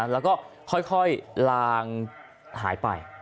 แล้วก็ค่อยลางหายไป